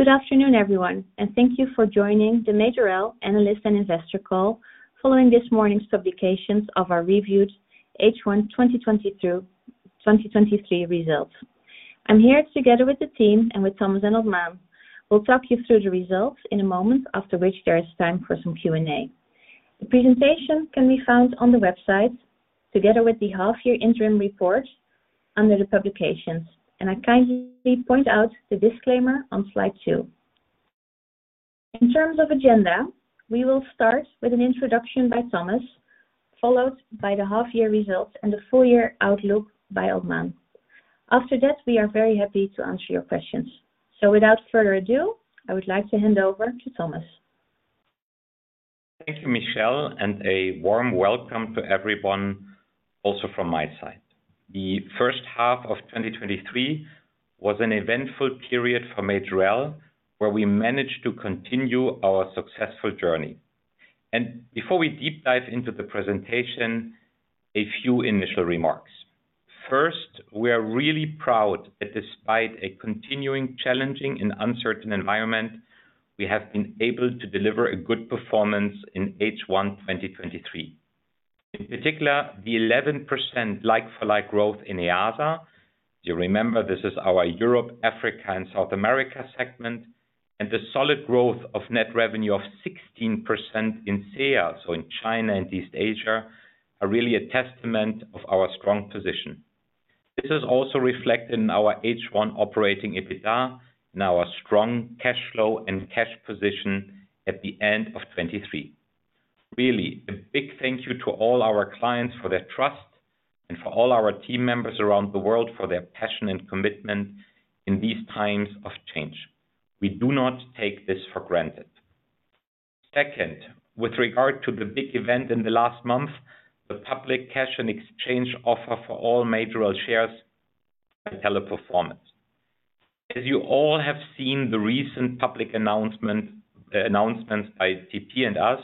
Good afternoon, everyone, and thank you for joining the Majorel Analyst and Investor call, following this morning's publications of our reviewed H1 2023 results. I'm here together with the team and with Thomas and Otmane. We'll talk you through the results in a moment, after which there is time for some Q&A. The presentation can be found on the website, together with the half year interim report under the publications, and I kindly point out the disclaimer on slide 2. In terms of agenda, we will start with an introduction by Thomas, followed by the half year results and the full year outlook by Otmane. After that, we are very happy to answer your questions. So without further ado, I would like to hand over to Thomas. Thank you, Michelle, and a warm welcome to everyone, also from my side. The first half of 2023 was an eventful period for Majorel, where we managed to continue our successful journey. Before we deep dive into the presentation, a few initial remarks. First, we are really proud that despite a continuing challenging and uncertain environment, we have been able to deliver a good performance in H1 2023. In particular, the 11% like-for-like growth in EASA. You remember, this is our Europe, Africa, and South America segment, and the solid growth of net revenue of 16% in CEA, so in China and East Asia, are really a testament of our strong position. This is also reflected in our H1 operating EBITDA and our strong cash flow and cash position at the end of 2023. Really, a big thank you to all our clients for their trust and for all our team members around the world, for their passion and commitment in these times of change. We do not take this for granted. Second, with regard to the big event in the last month, the public cash and exchange offer for all Majorel shares by Teleperformance. As you all have seen the recent public announcement, announcements by TP and us,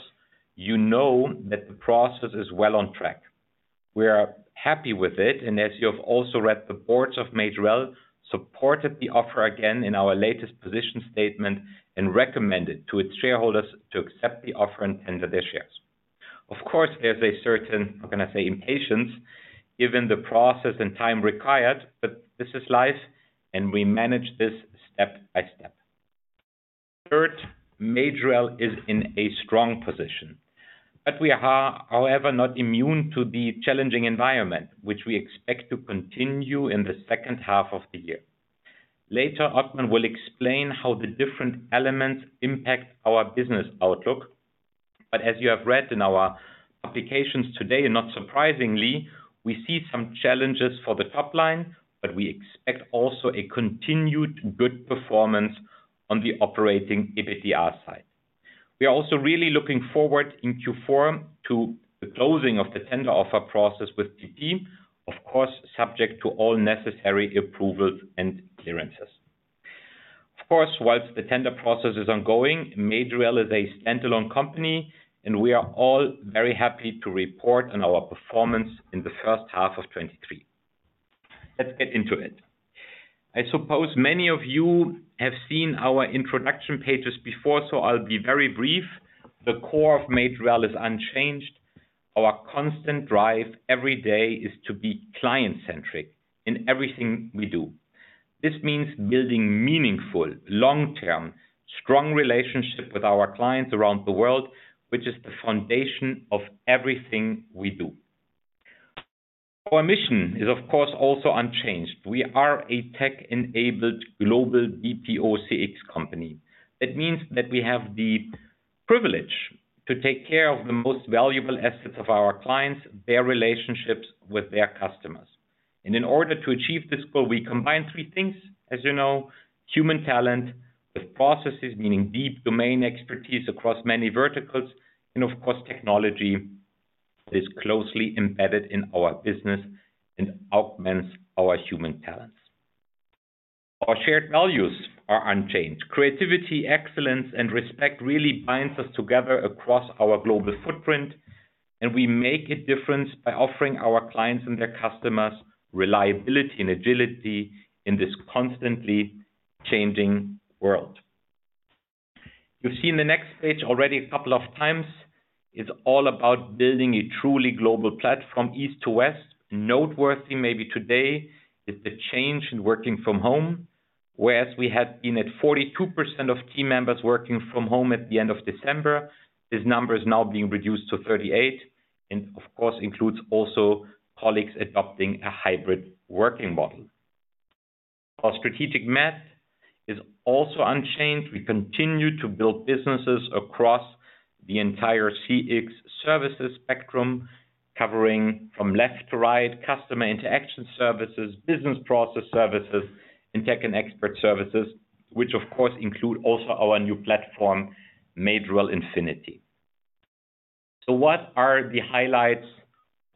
you know that the process is well on track. We are happy with it, and as you have also read, the boards of Majorel supported the offer again in our latest position statement and recommended to its shareholders to accept the offer and tender their shares. Of course, there's a certain, I'm gonna say, impatience, given the process and time required, but this is life, and we manage this step by step. Third, Majorel is in a strong position, but we are, however, not immune to the challenging environment which we expect to continue in the second half of the year. Later, Otmane will explain how the different elements impact our business outlook, but as you have read in our applications today, and not surprisingly, we see some challenges for the top line, but we expect also a continued good performance on the operating EBITDA side. We are also really looking forward in Q4 to the closing of the tender offer process with TP, of course, subject to all necessary approvals and clearances. Of course, whilst the tender process is ongoing, Majorel is a standalone company, and we are all very happy to report on our performance in the first half of 2023. Let's get into it. I suppose many of you have seen our introduction pages before, so I'll be very brief. The core of Majorel is unchanged. Our constant drive every day is to be client-centric in everything we do. This means building meaningful, long-term, strong relationships with our clients around the world, which is the foundation of everything we do. Our mission is, of course, also unchanged. We are a tech-enabled global BPO CX company. It means that we have the privilege to take care of the most valuable assets of our clients, their relationships with their customers. In order to achieve this goal, we combine three things, as you know, human talent with processes, meaning deep domain expertise across many verticals. Of course, technology is closely embedded in our business and augments our human talents. Our shared values are unchanged. Creativity, excellence, and respect really binds us together across our global footprint, and we make a difference by offering our clients and their customers reliability and agility in this constantly changing world. You've seen the next page already a couple of times. It's all about building a truly global platform, east to west. Noteworthy, maybe today, is the change in working from home, whereas we have been at 42% of team members working from home at the end of December, this number is now being reduced to 38%, and of course, includes also colleagues adopting a hybrid working model. Our strategic map is also unchanged. We continue to build businesses across the entire CX services spectrum, covering from left to right, customer interaction services, business process services, and tech and expert services, which of course, include also our new platform, Majorel Infinity. So what are the highlights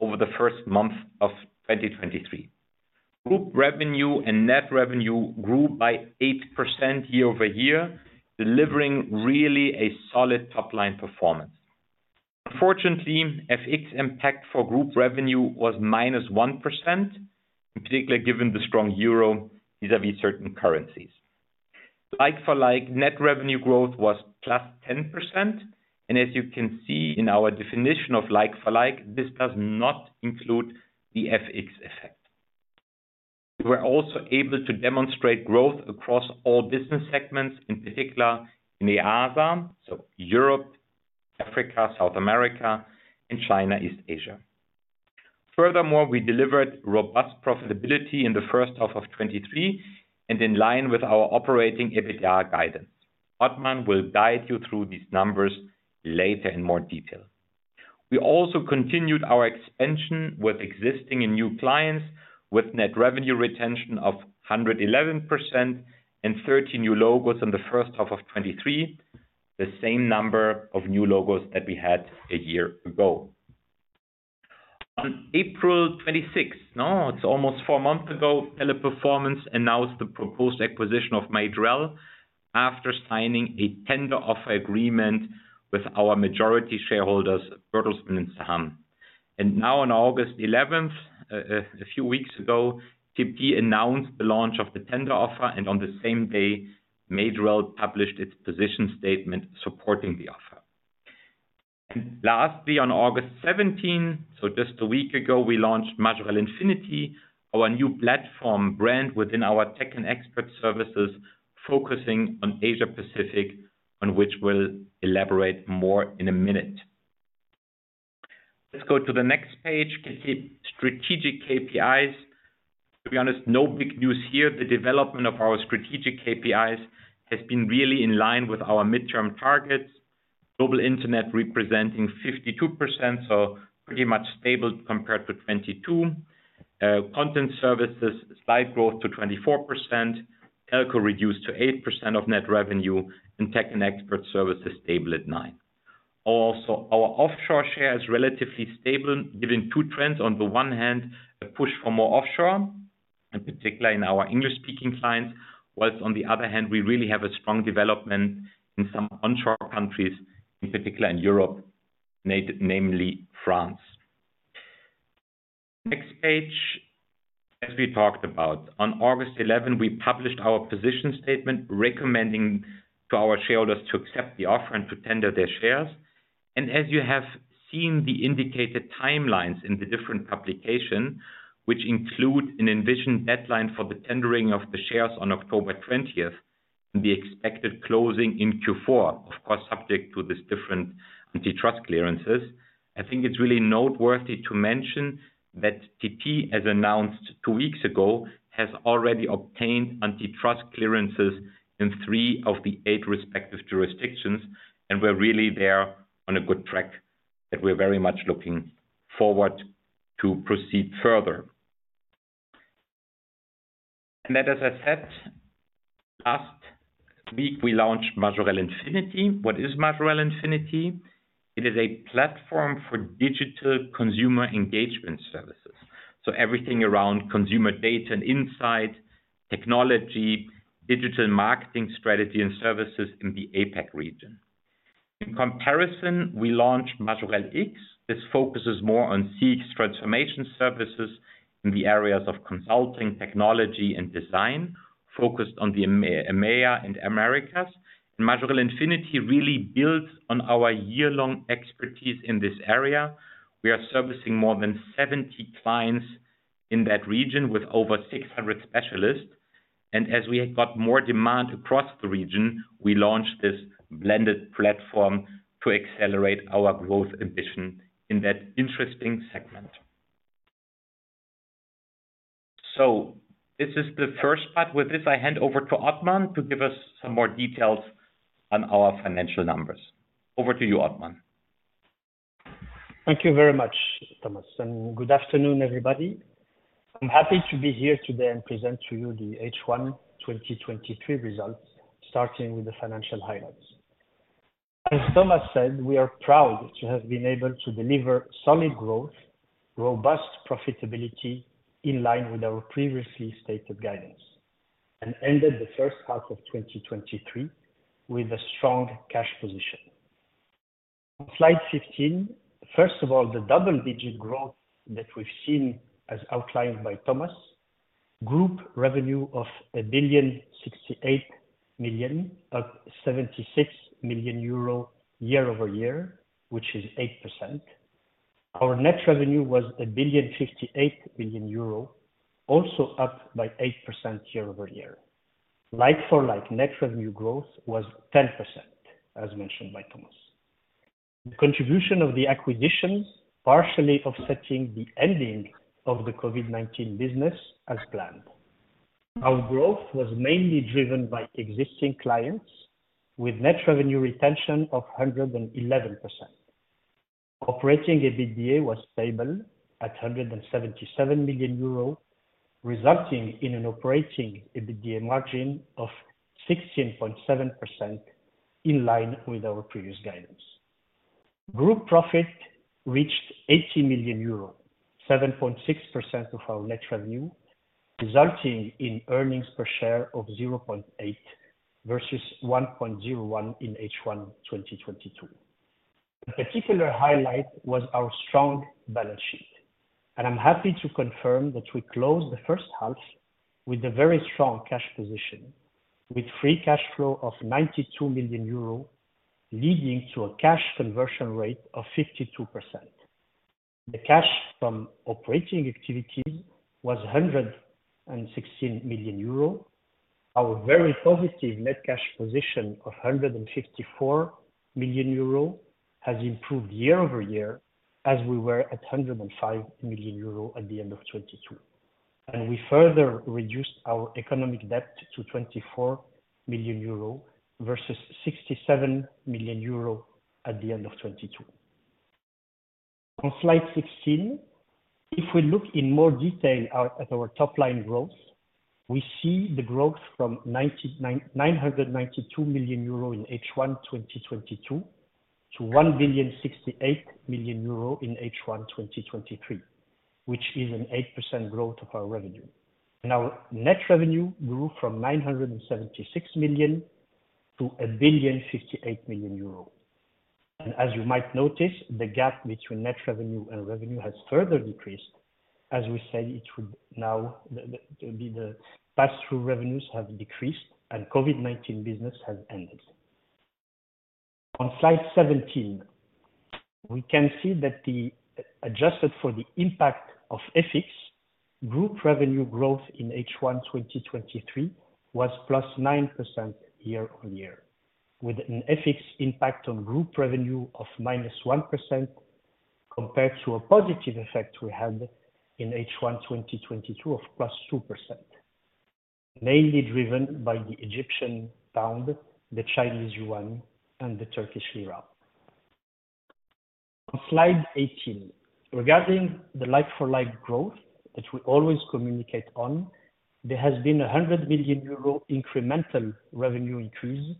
over the first half of 2023? Group revenue and net revenue grew by 8% year-over-year, delivering really a solid top-line performance... Unfortunately, FX impact for group revenue was -1%, in particular, given the strong euro vis-à-vis certain currencies. Like-for-like, net revenue growth was +10%, and as you can see in our definition of like-for-like, this does not include the FX effect. We were also able to demonstrate growth across all business segments, in particular in the EASA, so Europe, Africa, South America, and CEA. Furthermore, we delivered robust profitability in the first half of 2023 and in line with our operating EBITDA guidance. Otmane will guide you through these numbers later in more detail. We also continued our expansion with existing and new clients, with net revenue retention of 111% and 30 new logos in the first half of 2023, the same number of new logos that we had a year ago. On April 26th, now it's almost 4 months ago, Teleperformance announced the proposed acquisition of Majorel after signing a tender offer agreement with our majority shareholders, Bertelsmann and Saham. And now on August 11th, a few weeks ago, TP announced the launch of the tender offer, and on the same day, Majorel published its position statement supporting the offer. Lastly, on August 17th, so just a week ago, we launched Majorel Infinity, our new platform brand within our tech and expert services, focusing on Asia Pacific, on which we'll elaborate more in a minute. Let's go to the next page. Strategic KPIs. To be honest, no big news here. The development of our strategic KPIs has been really in line with our midterm targets. Global Internet representing 52%, so pretty much stable compared to 2022. Content services, slight growth to 24%. Telco reduced to 8% of net revenue, and tech and expert services stable at 9. Also, our offshore share is relatively stable, given two trends, on the one hand, a push for more offshore, in particular in our English-speaking clients, while on the other hand, we really have a strong development in some onshore countries, in particular in Europe, namely France. Next page, as we talked about, on August 11, we published our position statement, recommending to our shareholders to accept the offer and to tender their shares. As you have seen, the indicated timelines in the different publications, which include an envisioned deadline for the tendering of the shares on October twentieth, and the expected closing in Q4, of course, subject to these different antitrust clearances. I think it's really noteworthy to mention that TP, as announced two weeks ago, has already obtained antitrust clearances in three of the eight respective jurisdictions, and we're really there on a good track, that we're very much looking forward to proceed further. And then, as I said, last week, we launched Majorel Infinity. What is Majorel Infinity? It is a platform for digital consumer engagement services. So everything around consumer data and insight, technology, digital marketing, strategy and services in the APAC region. In comparison, we launched Majorel X. This focuses more on CX transformation services in the areas of consulting, technology, and design, focused on the EMEA and Americas. Majorel Infinity really builds on our year-long expertise in this area. We are servicing more than 70 clients in that region with over 600 specialists, and as we have got more demand across the region, we launched this blended platform to accelerate our growth ambition in that interesting segment. So this is the first part. With this, I hand over to Otmane to give us some more details on our financial numbers. Over to you, Otmane. Thank you very much, Thomas, and good afternoon, everybody. I'm happy to be here today and present to you the H1-2023 results, starting with the financial highlights. As Thomas said, we are proud to have been able to deliver solid growth, robust profitability in line with our previously stated guidance, and ended the first half of 2023 with a strong cash position. Slide 15. First of all, the double-digit growth that we've seen as outlined by Thomas. Group revenue of 1,068 million, up 76 million euro year-over-year, which is 8%. Our net revenue was 1.058 billion, also up by 8% year-over-year. Like-for-like, net revenue growth was 10%, as mentioned by Thomas. The contribution of the acquisitions, partially offsetting the ending of the COVID-19 business as planned. Our growth was mainly driven by existing clients, with net revenue retention of 111%. Operating EBITDA was stable at 177 million euros, resulting in an operating EBITDA margin of 16.7% in line with our previous guidance. Group profit reached 80 million euros, 7.6% of our net revenue, resulting in earnings per share of 0.80 versus 1.01 in H1 2022. A particular highlight was our strong balance sheet, and I'm happy to confirm that we closed the first half with a very strong cash position, with free cash flow of 92 million euro, leading to a cash conversion rate of 52%. The cash from operating activity was 116 million euro. Our very positive net cash position of 154 million euro has improved year-over-year, as we were at 105 million euro at the end of 2022. And we further reduced our economic debt to 24 million euro versus 67 million euro at the end of 2022. On slide 16, if we look in more detail at our top line growth, we see the growth from 992 million euro in H1 2022 to 1,068 million euro in H1 2023, which is an 8% growth of our revenue. And our net revenue grew from 976 million to 1,058 million euro. And as you might notice, the gap between net revenue and revenue has further decreased. As we said, the pass-through revenues have decreased, and COVID-19 business has ended. On slide 17, we can see that the adjusted for the impact of FX, group revenue growth in H1 2023 was +9% year-on-year, with an FX impact on group revenue of -1%, compared to a positive effect we had in H1 2022, of +2%. Mainly driven by the Egyptian pound, the Chinese yuan, and the Turkish lira. On slide 18, regarding the like-for-like growth that we always communicate on, there has been a 100 million euro incremental revenue increase,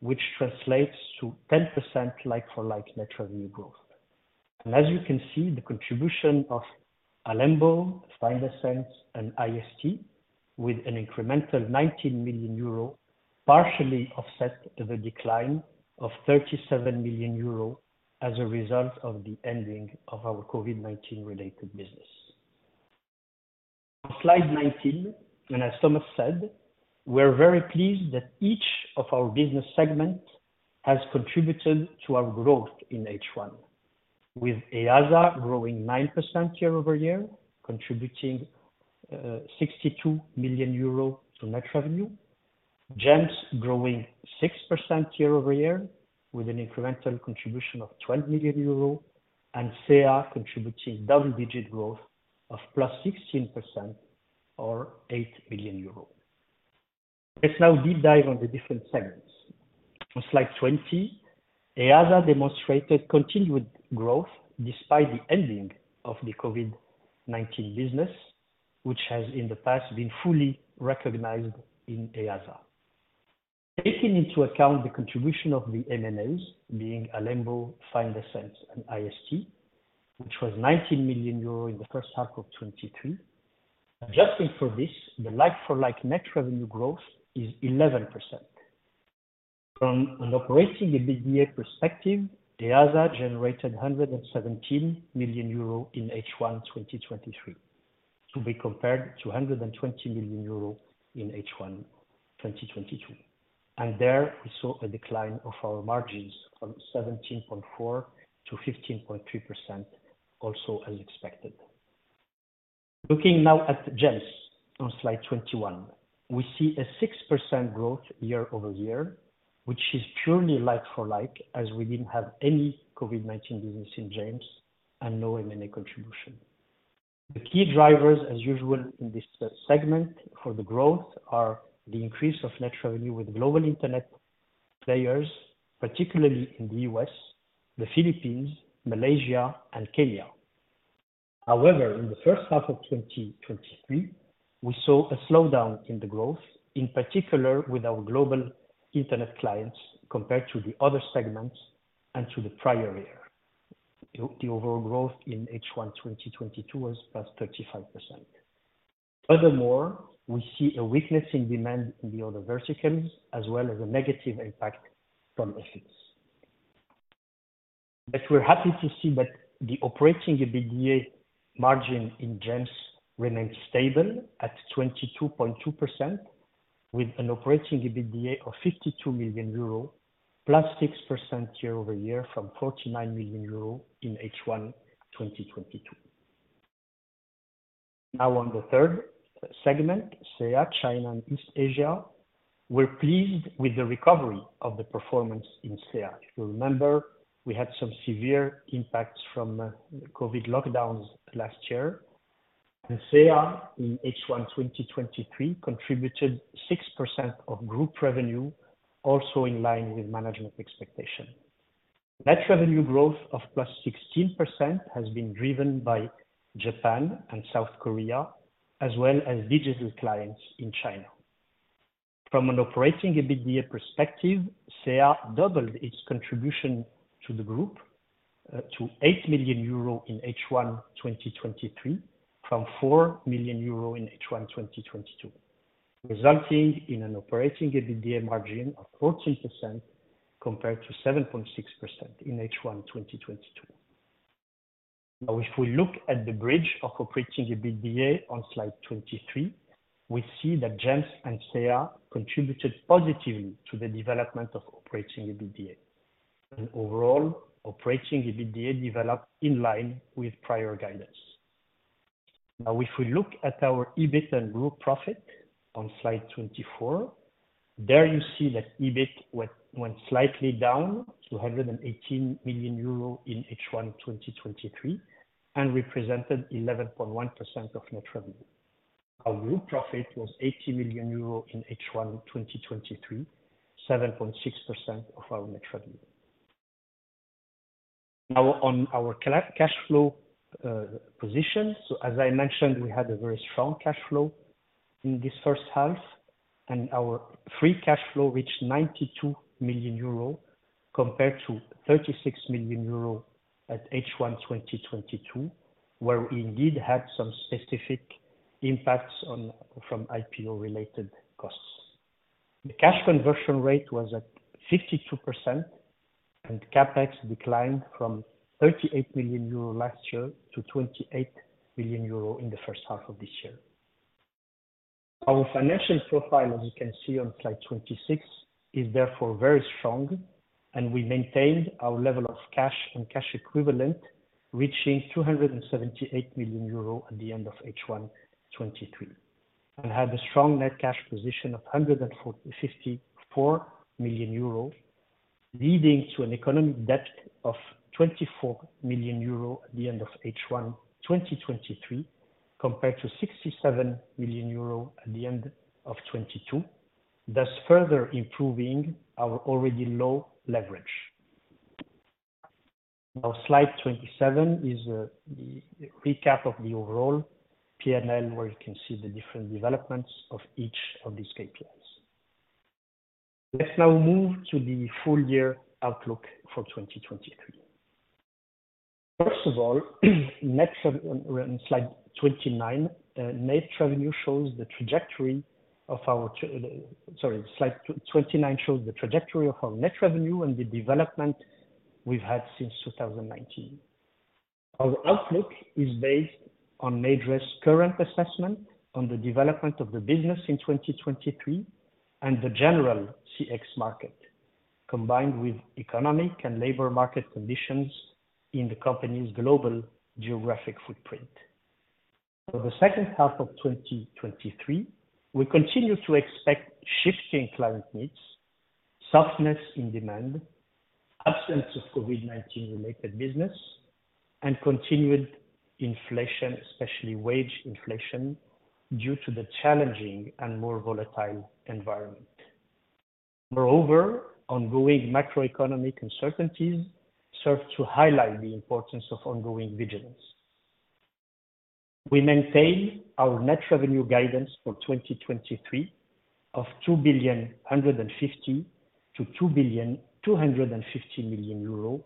which translates to 10% like-for-like net revenue growth. As you can see, the contribution of Alembo, Findasense, and IST, with an incremental 19 million euro, partially offset the decline of 37 million euro as a result of the ending of our COVID-19-related business. On slide 19, as Thomas said, we're very pleased that each of our business segments has contributed to our growth in H1, with EASA growing 9% year-over-year, contributing 62 million euro to net revenue. GEMS growing 6% year-over-year, with an incremental contribution of 12 million euro, and CEA contributing double-digit growth of +16% or 8 million euro. Let's now deep dive on the different segments. On slide 20, EASA demonstrated continued growth despite the ending of the COVID-19 business, which has in the past, been fully recognized in EASA. Taking into account the contribution of the M&As, being Alembo, Findasense, and IST, which was 19 million euro in the first half of 2023. Adjusting for this, the like-for-like net revenue growth is 11%. From an operating EBITDA perspective, EASA generated 117 million euro in H1 2023, to be compared to 120 million euro in H1 2022. There we saw a decline of our margins from 17.4%-15.3%, also as expected. Looking now at GEMS on slide 21, we see a 6% growth year-over-year, which is purely like-for-like, as we didn't have any COVID-19 business in GEMS and no M&A contribution. The key drivers, as usual in this segment for the growth, are the increase of net revenue with Global Internet players, particularly in the U.S., the Philippines, Malaysia, and Kenya. However, in the first half of 2023, we saw a slowdown in the growth, in particular with our global internet clients, compared to the other segments and to the prior year. The overall growth in H1 2022 was +35%. Furthermore, we see a weakness in demand in the other verticals, as well as a negative impact from FX. But we're happy to see that the operating EBITDA margin in GEMS remains stable at 22.2%, with an operating EBITDA of 52 million euro, +6% year-over-year from 49 million euro in H1 2022. Now on the third segment, CEA, China and East Asia. We're pleased with the recovery of the performance in CEA. If you remember, we had some severe impacts from COVID lockdowns last year. CEA, in H1 2023, contributed 6% of group revenue, also in line with management expectation. Net revenue growth of +16% has been driven by Japan and South Korea, as well as digital clients in China. From an operating EBITDA perspective, CEA doubled its contribution to the group to 8 million euro in H1 2023, from 4 million euro in H1 2022, resulting in an operating EBITDA margin of 14%, compared to 7.6% in H1 2022. Now, if we look at the bridge of operating EBITDA on slide 23, we see that GEMS and CEA contributed positively to the development of operating EBITDA. Overall, operating EBITDA developed in line with prior guidance. Now, if we look at our EBIT and group profit on slide 24, there you see that EBIT went slightly down to 118 million euro in H1 2023, and represented 11.1% of net revenue. Our group profit was 80 million euros in H1 2023, 7.6% of our net revenue. Now on our cash flow position. So as I mentioned, we had a very strong cash flow in this first half, and our free cash flow reached 92 million euro, compared to 36 million euro at H1 2022, where we indeed had some specific impacts from IPO-related costs. The cash conversion rate was at 52%, and CapEx declined from 38 million euro last year to 28 million euro in the first half of this year. Our financial profile, as you can see on slide 26, is therefore very strong, and we maintained our level of cash and cash equivalents, reaching 278 million euro at the end of H1 2023, and had a strong net cash position of 154 million euro, leading to an economic debt of 24 million euro at the end of H1 2023, compared to 67 million euro at the end of 2022, thus further improving our already low leverage. Now, slide 27 is a recap of the overall PNL, where you can see the different developments of each of these KPIs. Let's now move to the full year outlook for 2023. First of all, on slide 29, net revenue shows the trajectory of our... Sorry, slide twenty-nine shows the trajectory of our net revenue and the development we've had since 2019. Our outlook is based on Majorel's current assessment on the development of the business in 2023 and the general CX market, combined with economic and labor market conditions in the company's global geographic footprint. For the second half of 2023, we continue to expect shifting client needs, softness in demand, absence of COVID-19 related business, and continued inflation, especially wage inflation, due to the challenging and more volatile environment. Moreover, ongoing macroeconomic uncertainties serve to highlight the importance of ongoing vigilance. We maintain our net revenue guidance for 2023 of 2.15 billion-2.25 billion,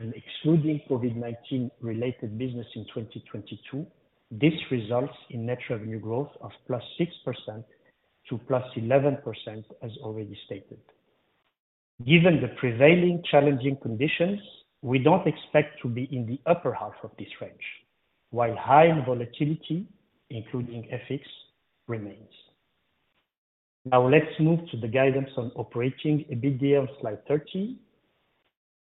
and excluding COVID-19 related business in 2022. This results in net revenue growth of +6% to +11%, as already stated. Given the prevailing challenging conditions, we don't expect to be in the upper half of this range, while high volatility, including FX, remains. Now let's move to the guidance on Operating EBITDA on slide 30.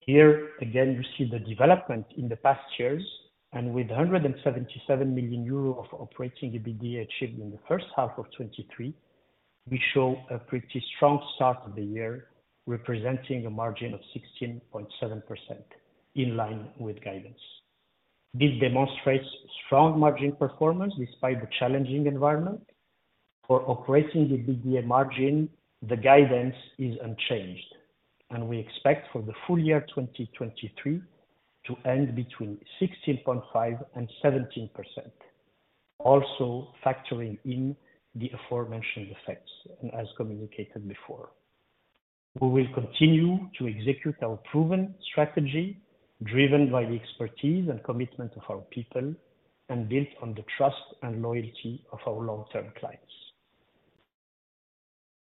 Here, again, you see the development in the past years, and with 177 million euros of Operating EBITDA achieved in the first half of 2023, we show a pretty strong start to the year, representing a margin of 16.7% in line with guidance. This demonstrates strong margin performance despite the challenging environment. For Operating EBITDA margin, the guidance is unchanged, and we expect for the full year 2023 to end between 16.5% and 17%, also factoring in the aforementioned effects, as communicated before. We will continue to execute our proven strategy, driven by the expertise and commitment of our people, and build on the trust and loyalty of our long-term clients.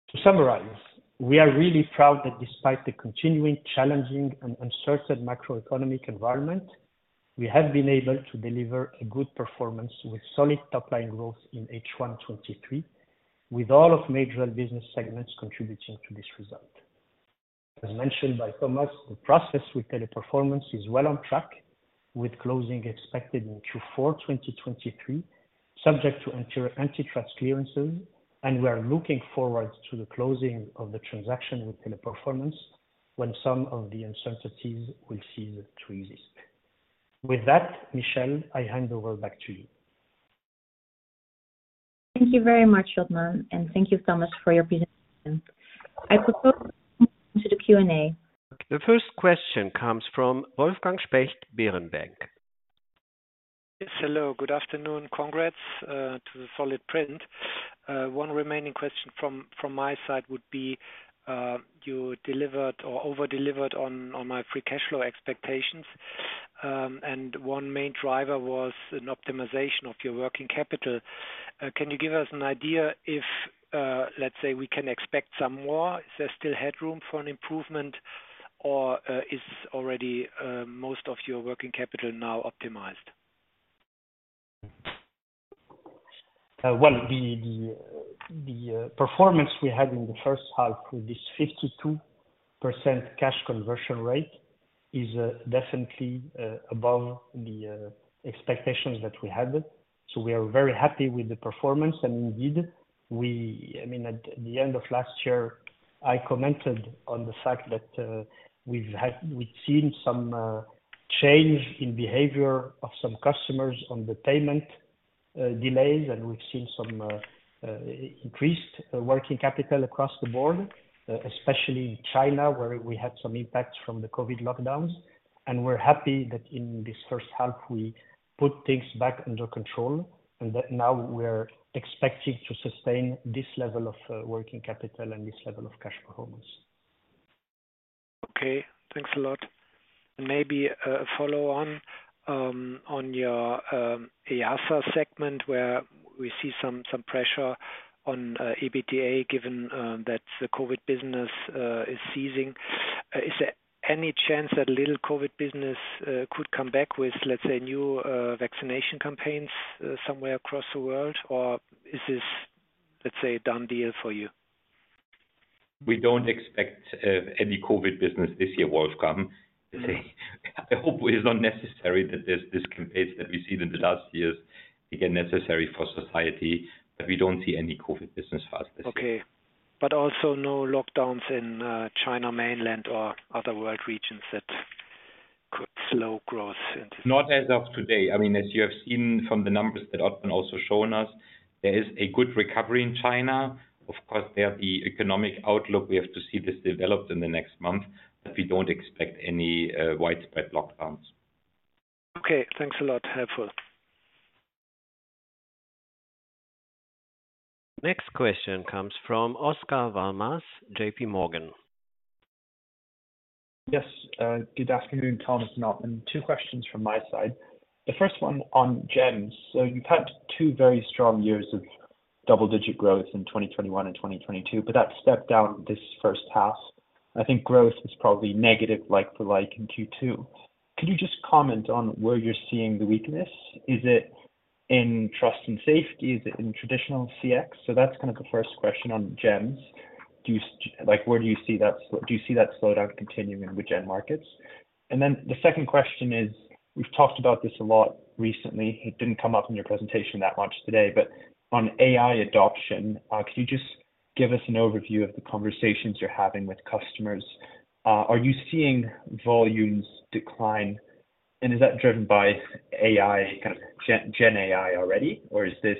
To summarize, we are really proud that despite the continuing, challenging and uncertain macroeconomic environment, we have been able to deliver a good performance with solid top-line growth in H1 2023, with all of Majorel business segments contributing to this result. As mentioned by Thomas, the process with Teleperformance is well on track, with closing expected in Q4 2023, subject to antitrust clearances, and we are looking forward to the closing of the transaction with Teleperformance when some of the uncertainties will cease to exist. With that, Michelle, I hand over back to you. Thank you very much, Otmane, and thank you so much for your presentation. I propose to the Q&A. The first question comes from Wolfgang Specht, Berenberg. Yes, hello, good afternoon. Congrats to the solid print. One remaining question from my side would be, you delivered or over-delivered on my free cash flow expectations. And one main driver was an optimization of your working capital. Can you give us an idea if, let's say, we can expect some more? Is there still headroom for an improvement, or is already most of your working capital now optimized? Well, the performance we had in the first half with this 52% Cash Conversion Rate is definitely above the expectations that we had. So we are very happy with the performance. And indeed, I mean, at the end of last year, I commented on the fact that we've seen some change in behavior of some customers on the payment delays, and we've seen some increased working capital across the board, especially in China, where we had some impacts from the COVID lockdowns. And we're happy that in this first half, we put things back under control and that now we're expecting to sustain this level of working capital and this level of cash performance. Okay, thanks a lot. Maybe follow on on your EASA segment, where we see some pressure on EBITDA, given that the COVID business is ceasing. Is there any chance that little COVID business could come back with, let's say, new vaccination campaigns somewhere across the world? Or is this, let's say, a done deal for you? We don't expect any COVID business this year, Wolfgang. I hope it is not necessary that this campaign that we see in the last years again necessary for society, but we don't see any COVID business for us this year. Okay. But also no lockdowns in China, mainland or other world regions that could slow growth into- Not as of today. I mean, as you have seen from the numbers that have also shown us, there is a good recovery in China. Of course, there, the economic outlook, we have to see this developed in the next month, but we don't expect any widespread lockdowns. Okay, thanks a lot. Helpful. Next question comes from Oscar Val Mas, JPMorgan. Yes, good afternoon, Thomas and Otmane. Two questions from my side. The first one on GEMS. So you've had two very strong years of double-digit growth in 2021 and 2022, but that stepped down this first half. I think growth is probably negative, like for like in Q2. Could you just comment on where you're seeing the weakness? Is it in trust and safety? Is it in traditional CX? So that's kind of the first question on GEMS. Do you—like, where do you see that? Do you see that slowdown continuing with GEMS markets? And then the second question is, we've talked about this a lot recently. It didn't come up in your presentation that much today, but on AI adoption, could you just give us an overview of the conversations you're having with customers? Are you seeing volumes decline, and is that driven by AI, kind of Gen AI already, or is this...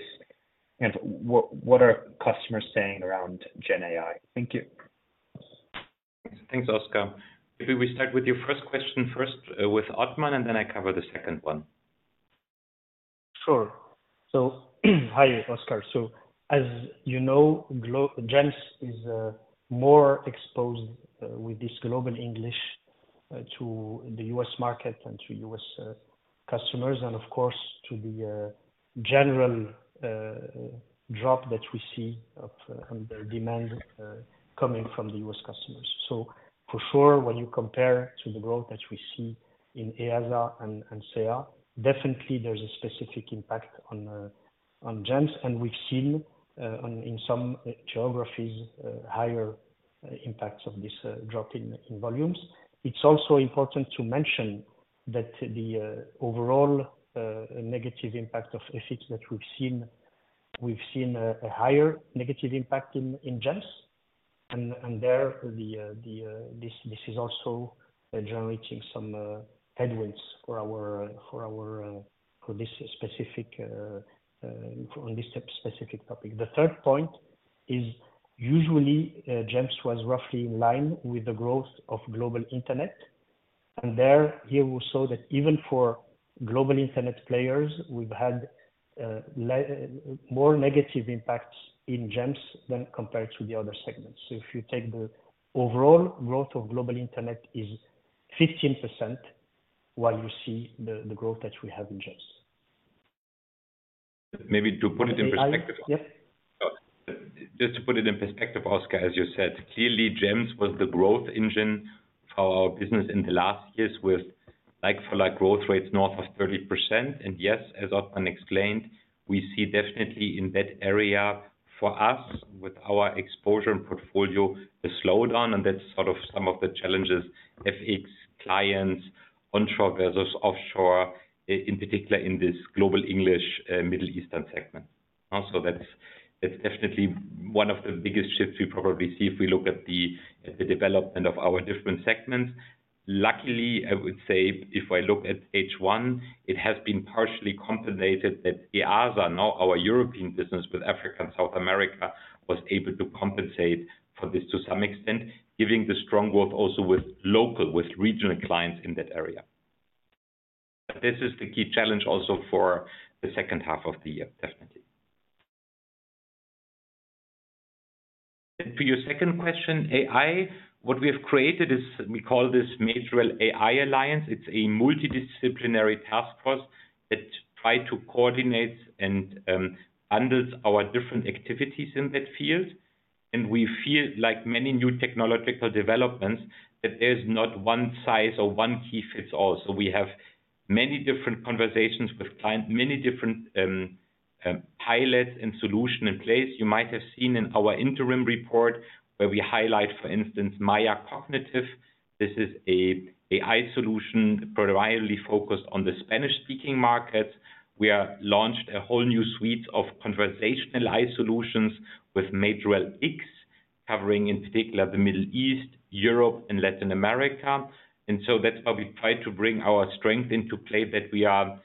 And what are customers saying around Gen AI? Thank you. Thanks, Oscar. If we start with your first question first, with Otmane, and then I cover the second one. Sure. So hi, Oscar. So as you know, GEMS is more exposed with this global English to the U.S. market and to U.S. customers, and of course, to the general drop that we see on the demand coming from the U.S. customers. So for sure, when you compare to the growth that we see in EASA and CEA, definitely there's a specific impact on the on GEMS, and we've seen in some geographies higher impacts of this drop in volumes. It's also important to mention that the overall negative impact of effects that we've seen. We've seen a higher negative impact in GEMS, and there this is also generating some headwinds for our for this specific on this specific topic. The third point is usually GEMS was roughly in line with the growth of Global Internet. And there, here we saw that even for Global Internet players, we've had more negative impacts in GEMS than compared to the other segments. So if you take the overall growth of Global Internet is 15%, while you see the growth that we have in GEMS. Maybe to put it in perspective. Yes. Just to put it in perspective, Oscar, as you said, clearly, GEMS was the growth engine for our business in the last years, with like-for-like growth rates north of 30%. Yes, as Otmane explained, we see definitely in that area for us, with our exposure and portfolio, the slowdown, and that's sort of some of the challenges, if it's clients onshore versus offshore, in particular in this Global English, Middle East segment. Also, that's definitely one of the biggest shifts we probably see if we look at the development of our different segments. Luckily, I would say, if I look at H1, it has been partially compensated that EASA, now our European business with Africa and South America, was able to compensate for this to some extent, giving the strong growth also with local, with regional clients in that area. This is the key challenge also for the second half of the year, definitely. To your second question, AI, what we have created is, we call this Majorel AI Alliance. It's a multidisciplinary task force that try to coordinate and handles our different activities in that field. And we feel like many new technological developments, that there's not one size or one key fits all. So we have many different conversations with client, many different pilots and solution in place. You might have seen in our interim report, where we highlight, for instance, Maya Cognitive. This is a AI solution primarily focused on the Spanish-speaking market. We are launched a whole new suite of conversational AI solutions with Majorel X, covering, in particular, the Middle East, Europe, and Latin America. So that's where we try to bring our strength into play, that we are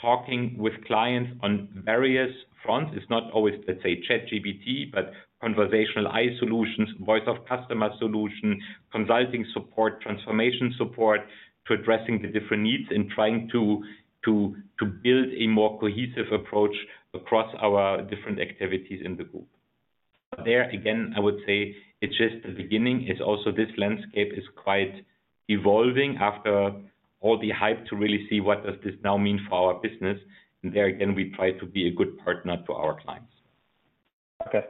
talking with clients on various fronts. It's not always, let's say, ChatGPT, but conversational AI solutions, voice of customer solution, consulting support, transformation support, to addressing the different needs and trying to build a more cohesive approach across our different activities in the group. But there, again, I would say it's just the beginning. It's also this landscape is quite evolving after all the hype to really see what does this now mean for our business. And there again, we try to be a good partner to our clients. Okay.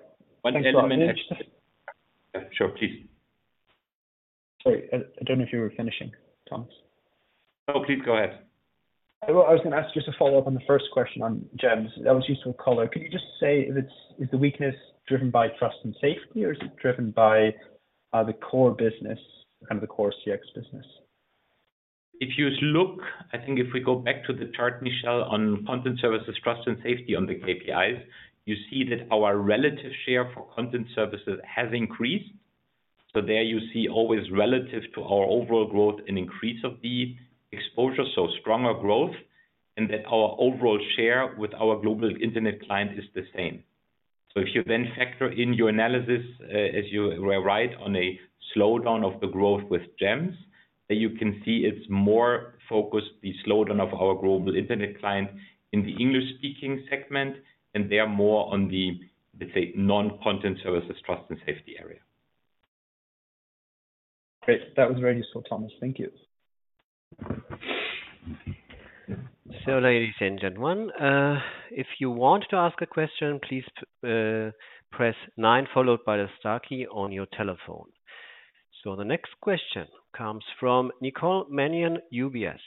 Thanks so much. Sure. Please. Sorry, I don't know if you were finishing, Thomas. No, please go ahead. I was gonna ask just a follow-up on the first question on GEMS. That was useful color. Could you just say if it's, is the weakness driven by Trust & Safety, or is it driven by the core business and the core CX business? If you look, I think if we go back to the chart, Michelle, on Content Services, Trust & Safety on the KPIs, you see that our relative share for Content Services has increased. So there you see always relative to our overall growth, an increase of the exposure, so stronger growth, and that our overall share with our Global Internet client is the same. So if you then factor in your analysis, as you were right on a slowdown of the growth with GEMS, that you can see it's more focused, the slowdown of our Global Internet client in the English-speaking segment, and they are more on the, let's say, non-Content Services, Trust & Safety area. Great. That was very useful, Thomas. Thank you. So ladies and gentlemen, if you want to ask a question, please, press nine, followed by the star key on your telephone. So the next question comes from Nicole Manion, UBS.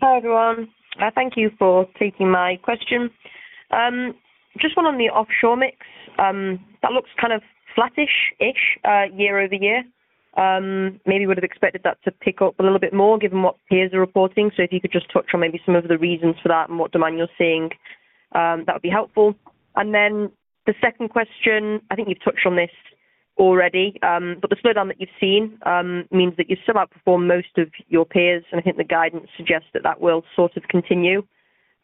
Hi, everyone. Thank you for taking my question. Just one on the offshore mix. That looks kind of flattish-ish year-over-year. Maybe would have expected that to pick up a little bit more given what peers are reporting. So if you could just touch on maybe some of the reasons for that and what demand you're seeing, that would be helpful. And then the second question, I think you've touched on this already, but the slowdown that you've seen means that you still outperform most of your peers, and I think the guidance suggests that that will sort of continue.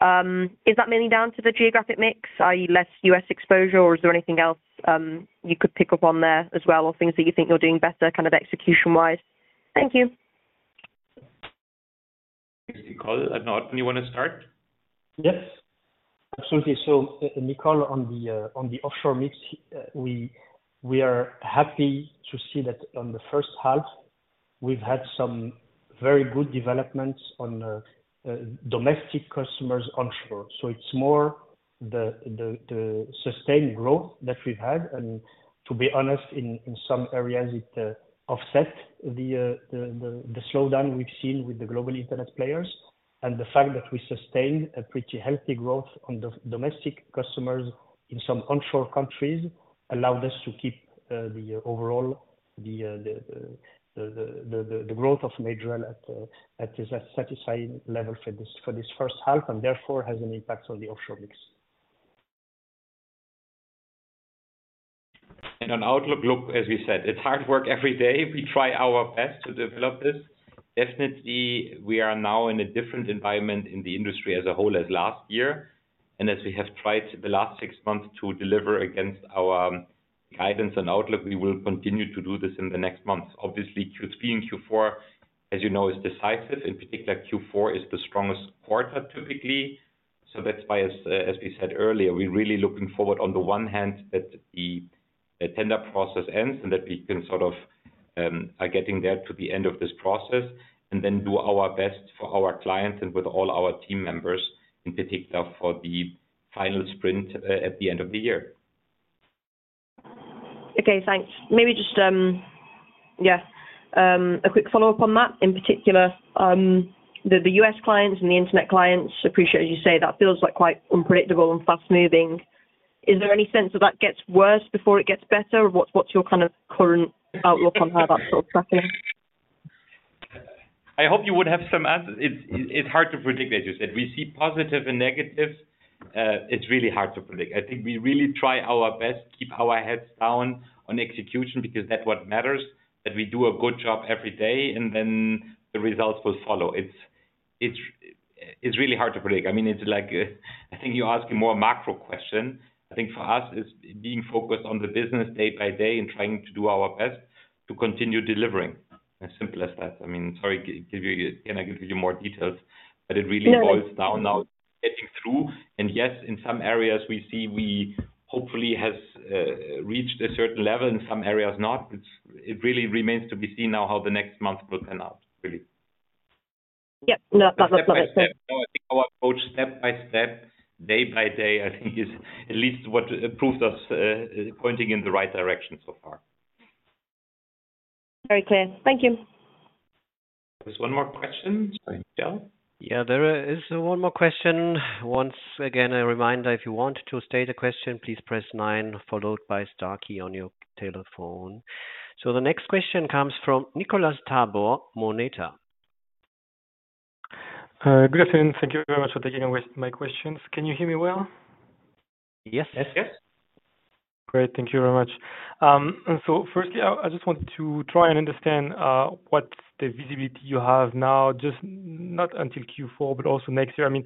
Is that mainly down to the geographic mix, i.e., less U.S. exposure, or is there anything else you could pick up on there as well, or things that you think you're doing better, kind of execution-wise? Thank you. Thanks, Nicole. Arnaud, you want to start? Yes, absolutely. So, Nicole, on the offshore mix, we are happy to see that on the first half, we've had some very good developments on domestic customers onshore. So it's more the sustained growth that we've had. And to be honest, in some areas, it offset the slowdown we've seen with the global Internet players. And the fact that we sustained a pretty healthy growth on the domestic customers in some onshore countries, allowed us to keep the overall growth of Majorel at a satisfying level for this first half, and therefore, has an impact on the offshore mix. On outlook, look, as we said, it's hard work every day. We try our best to develop this. Definitely, we are now in a different environment in the industry as a whole as last year, and as we have tried the last six months to deliver against our guidance and outlook, we will continue to do this in the next months. Obviously, Q3 and Q4, as you know, is decisive. In particular, Q4 is the strongest quarter, typically. So that's why, as we said earlier, we're really looking forward on the one hand, that the tender process ends and that we can sort of, are getting there to the end of this process, and then do our best for our clients and with all our team members, in particular for the final sprint, at the end of the year. Okay, thanks. Maybe just a quick follow-up on that, in particular, the U.S. clients and the Internet clients. Appreciate, as you say, that feels like quite unpredictable and fast-moving. Is there any sense that that gets worse before it gets better? Or what's your kind of current outlook on how that's sort of tracking? I hope you would have some—It's hard to predict, as you said. We see positive and negative. It's really hard to predict. I think we really try our best to keep our heads down on execution because that's what matters, that we do a good job every day, and then the results will follow. It's really hard to predict. I mean, it's like, I think you're asking more a macro question. I think for us, it's being focused on the business day by day and trying to do our best to continue delivering. As simple as that. I mean, sorry, can I give you more details? But it really boils down now getting through, and yes, in some areas we see we hopefully have reached a certain level, in some areas, not. It really remains to be seen now how the next month will pan out, really. Yep. No, that's what I said. Our approach, step by step, day by day, I think is at least what proves us pointing in the right direction so far. Very clear. Thank you. There's one more question. Michelle? Yeah, there is one more question. Once again, a reminder, if you want to state a question, please press nine, followed by star key on your telephone. So the next question comes from Nicolas Tabor, Moneta. Good afternoon. Thank you very much for taking away my questions. Can you hear me well? Yes. Yes. Yes. Great. Thank you very much. So firstly, I just want to try and understand what the visibility you have now, just not until Q4, but also next year. I mean,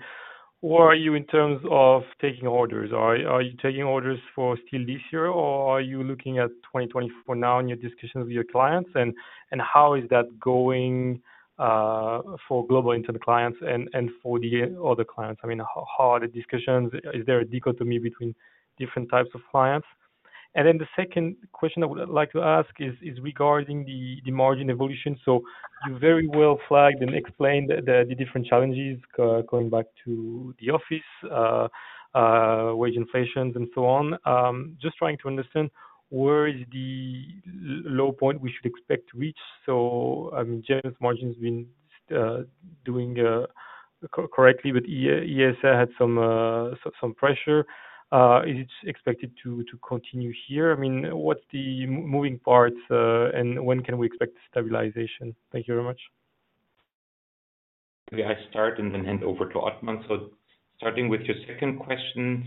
where are you in terms of taking orders? Are you taking orders for still this year, or are you looking at 2020 for now in your discussions with your clients? And how is that going for Global Internet clients and for the other clients? I mean, how are the discussions? Is there a dichotomy between different types of clients? And then the second question I would like to ask is regarding the margin evolution. So you very well flagged and explained the different challenges going back to the office, wage inflations and so on. Just trying to understand where is the low point we should expect to reach? So, I mean, gross margins been doing correctly, but EBITDA had some, some pressure. Is it expected to continue here? I mean, what's the moving parts, and when can we expect stabilization? Thank you very much. May I start and then hand over to Otmane. Starting with your second question,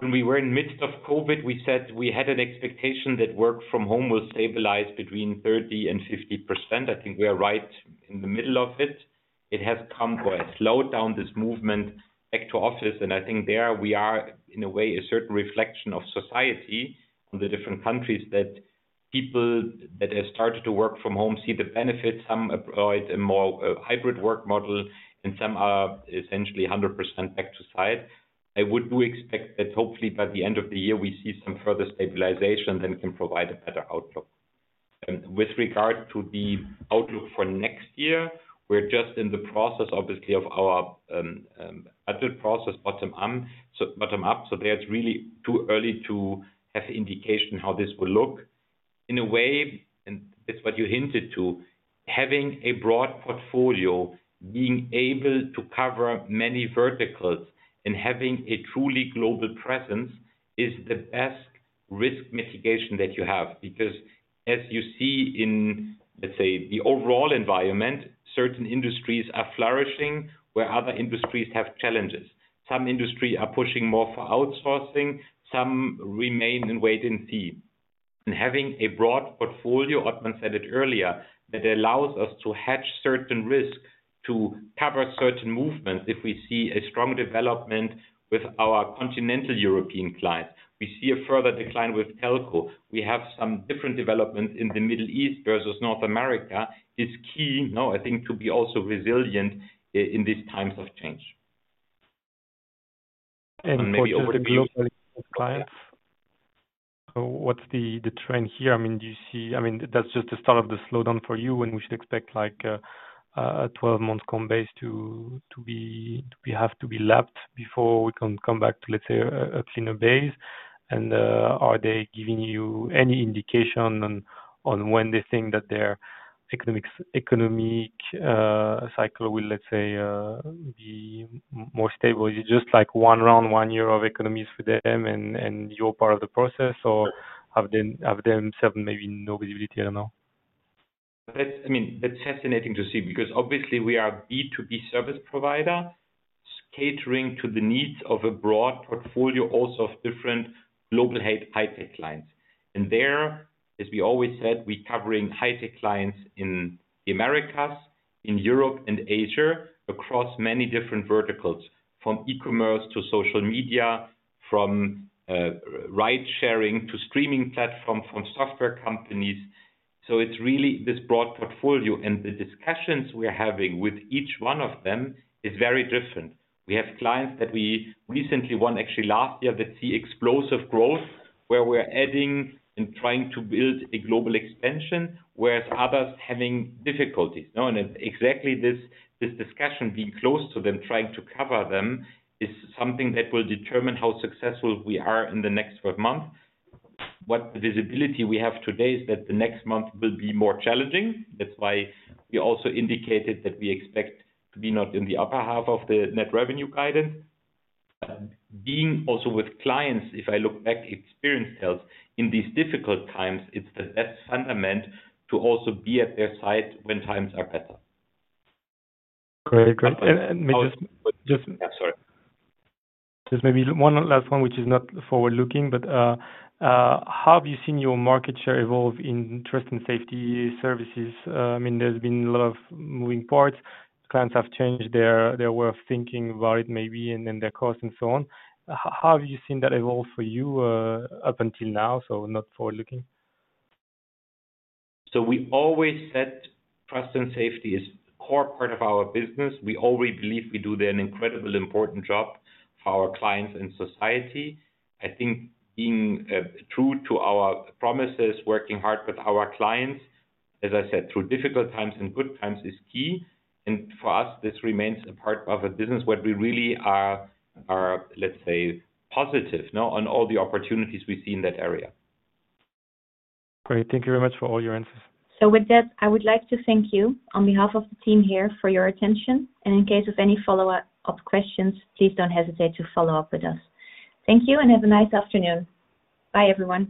when we were in midst of COVID, we said we had an expectation that work from home will stabilize between 30% and 50%. I think we are right in the middle of it. It has come to a slowdown, this movement back to office, and I think there we are, in a way, a certain reflection of society on the different countries, that people that have started to work from home see the benefits. Some provide a more, hybrid work model, and some are essentially 100% back to site. I would do expect that hopefully by the end of the year, we see some further stabilization, then we can provide a better outlook. With regard to the outlook for next year, we're just in the process, obviously, of our annual process, bottom-up, so there's really too early to have indication how this will look. In a way, and that's what you hinted to, having a broad portfolio, being able to cover many verticals and having a truly global presence is the best risk mitigation that you have. Because as you see in, let's say, the overall environment, certain industries are flourishing where other industries have challenges. Some industry are pushing more for outsourcing, some remain and wait and see. And having a broad portfolio, Otmane said it earlier, that allows us to hedge certain risks to cover certain movements. If we see a strong development with our continental European clients, we see a further decline with Telco. We have some different developments in the Middle East versus North America. It's key, no, I think to be also resilient in these times of change. And maybe over the global clients. So what's the trend here? I mean, do you see—I mean, that's just the start of the slowdown for you, and we should expect, like, a 12-month comp base to have to be lapped before we can come back to, let's say, a cleaner base. And are they giving you any indication on when they think that their economic cycle will, let's say, be more stable? Is it just like one round, one year of economies for them and you're part of the process, or have they maybe no visibility, I don't know? That's, I mean, that's fascinating to see, because obviously we are B2B service provider, catering to the needs of a broad portfolio, also of different global high-tech clients. There, as we always said, we covering high-tech clients in the Americas, in Europe and Asia, across many different verticals, from e-commerce to social media, from ride-sharing to streaming platform, from software companies. So it's really this broad portfolio, and the discussions we're having with each one of them is very different. We have clients that we recently won, actually last year, that see explosive growth, where we're adding and trying to build a global expansion, whereas others are having difficulties. Now, and exactly this, this discussion, being close to them, trying to cover them, is something that will determine how successful we are in the next 12 months. What visibility we have today is that the next month will be more challenging. That's why we also indicated that we expect to be not in the upper half of the net revenue guidance. Being also with clients, if I look back, experience tells, in these difficult times, it's the best foundation to also be at their side when times are better. Great. Great. And, and just- I'm sorry. Just maybe one last one, which is not forward-looking, but how have you seen your market share evolve in trust and safety services? I mean, there's been a lot of moving parts. Clients have changed their way of thinking about it, maybe, and then their costs and so on. How have you seen that evolve for you, up until now? So not forward-looking. So we always said trust and safety is a core part of our business. We always believe we do an incredibly important job for our clients and society. I think being true to our promises, working hard with our clients, as I said, through difficult times and good times, is key. And for us, this remains a part of a business where we really are, let's say, positive now on all the opportunities we see in that area. Great. Thank you very much for all your answers. So with that, I would like to thank you on behalf of the team here for your attention, and in case of any follow-up questions, please don't hesitate to follow up with us. Thank you and have a nice afternoon. Bye, everyone.